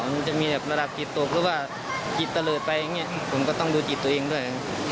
มันจะมีระดับจิตตกหรือว่าจิตเตลิดไปผมก็ต้องดูจิตตัวเองด้วย